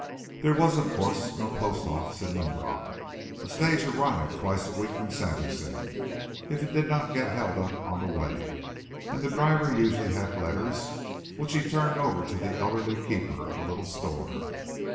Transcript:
There was, of course, no post office in Linrock. A stage arrived twice a week from Sanderson, if it did not get held up on the way, and the driver usually had letters, which he turned over to the elderly keeper of a little store.